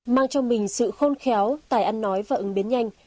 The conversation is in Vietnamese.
mang cho mình sự khôn khéo tài ăn nói và ứng biến nhanh